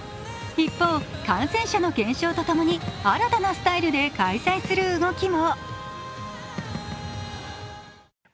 一方、感染者の減少と共に新たなスタイルで開催する動きも。